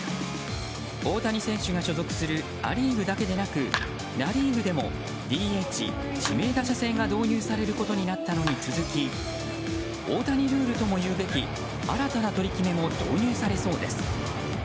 大谷選手が所属するア・リーグだけでなくナ・リーグでもＤＨ指名打者制が導入されることになったのに続き大谷ルールともいうべき新たな取り決めも導入されそうです。